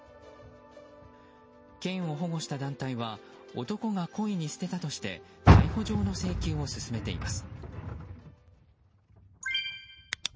ケンを保護した団体は男が故意に捨てたとして逮捕状の請求を進めています。